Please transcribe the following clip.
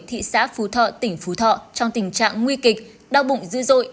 thị xã phú thọ tỉnh phú thọ trong tình trạng nguy kịch đau bụng dư